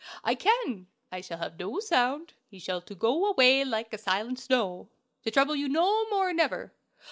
I can. I shall have no sound; he shall to go away like a silent snow, to trouble you no more, never!"